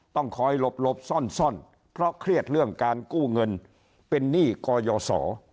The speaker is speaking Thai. ต้องคอยหลบซ่อนเพราะเครียดเรื่องการกู้เงินเป็นหนี้กยศ